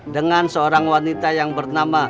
dengan seorang wanita yang bernama